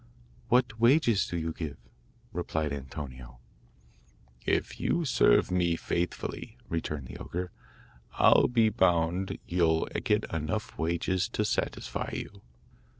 'What wages do you give?' replied Antonio. 'If you serve me faithfully,' returned the ogre, 'I'll be bound you'll get enough wages to satisfy you.